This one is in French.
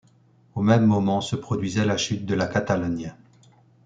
Au même moment se produisait la chute de la Catalogne.